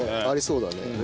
ありそうね。